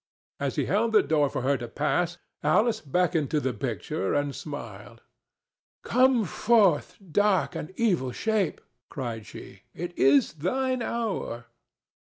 As he held the door for her to pass Alice beckoned to the picture and smiled. "Come forth, dark and evil shape!" cried she. "It is thine hour."